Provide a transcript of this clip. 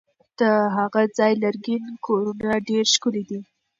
د هغه ځای لرګین کورونه ډېر ښکلي دي.